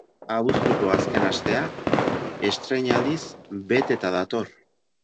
Abuztuko azken astea estreinaldiz beteta dator.